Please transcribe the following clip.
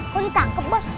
kok ditangkep bos